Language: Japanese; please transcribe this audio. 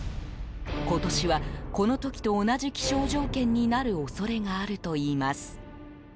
今年は、この時と同じ気象条件になる恐れがあるというのです。